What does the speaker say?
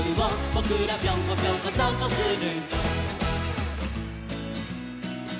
「ぼくらぴょんこぴょんこさんぽする」